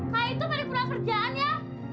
nah itu pada kurang kerjaan ya